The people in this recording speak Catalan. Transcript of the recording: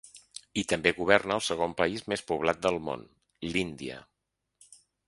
I també governa el segon país més poblat del món, l’Índia.